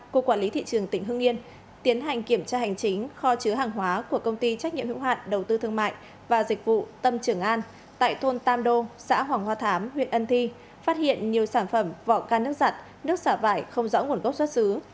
cục quản lý thị trường tỉnh hương yên tiến hành kiểm tra hành chính kho chứa hàng hóa của công ty trách nhiệm hữu hạn đầu tư thương mại và dịch vụ tâm trường an tại thôn tam đô xã hoàng hoa thám huyện ân thi phát hiện nhiều sản phẩm vỏ can nước giặt nước xả vải không rõ nguồn gốc xuất xứ